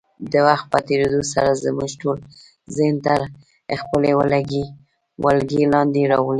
د وخت په تېرېدو سره زموږ ټول ذهن تر خپلې ولکې لاندې راولي.